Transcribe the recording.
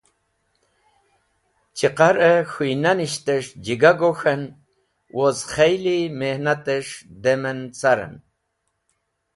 Chiqar-e k̃hũynanishtes̃h jig’e gok̃hen woz kheli mihnates̃h dem en caren.